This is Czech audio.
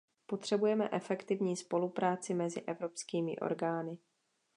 Potřebujeme efektivní spolupráci mezi evropskými orgány.